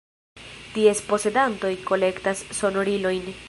Ties posedantoj kolektas sonorilojn.